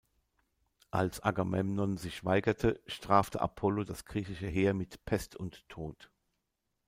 Als Agamemnon sich weigerte, strafte Apollo das griechische Heer mit Pest und Tod.